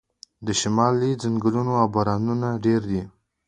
د شمال ځنګلونه او بارانونه ډیر دي.